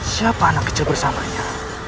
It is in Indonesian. siapa anak kecil bersamanya